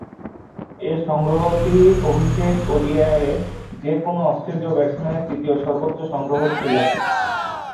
এ সংগ্রহটি অভিষেক ওডিআইয়ে যে-কোন অস্ট্রেলীয় ব্যাটসম্যানের তৃতীয় সর্বোচ্চ সংগ্রহ ছিল।